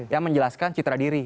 yang menjelaskan citra diri